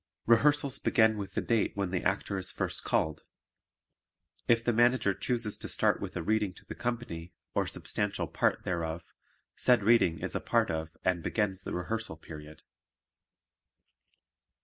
Rehearsals begin with the date when the Actor is first called. If the Manager chooses to start with a reading to the Company, or substantial part thereof, said reading is a part of and begins the rehearsal period.